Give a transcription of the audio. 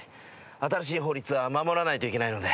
新しい法律は守らないといけないので。